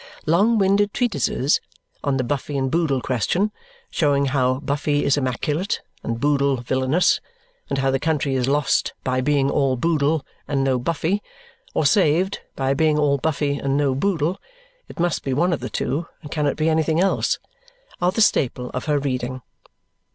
Long winded treatises on the Buffy and Boodle question, showing how Buffy is immaculate and Boodle villainous, and how the country is lost by being all Boodle and no Buffy, or saved by being all Buffy and no Boodle (it must be one of the two, and cannot be anything else), are the staple of her reading.